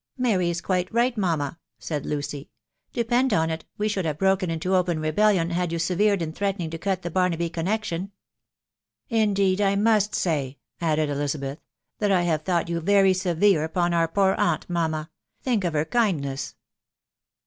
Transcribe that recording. "* Mkrfh quite agH^uraa,'' ts*& liutfj. * ^«^aA ^» 144 THB WIDOW BABNABV. it we Bhould have broken into open rebellion had yon per severed in threatening to cut the Barnaby connection." " Indeed I must say," added Elizabeth, " that I haw thought you very severe upon our poor aunt, mamma. Think of her kindness